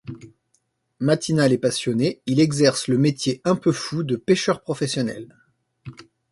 Matinal et passionné, il exerce le métier un peu fou de pêcheur professionnel.